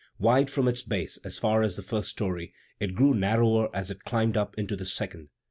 Wide from its base as far as the first story, it grew narrower as it climbed up into the second.